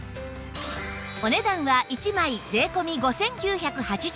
お値段は１枚税込５９８０円